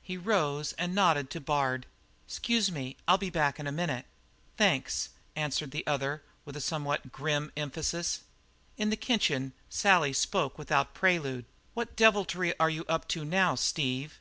He rose and nodded to Bard. "'Scuse me, I'll be back in a minute." "Thanks," answered the other, with a somewhat grim emphasis. In the kitchen Sally spoke without prelude. "What deviltry are you up to now, Steve?"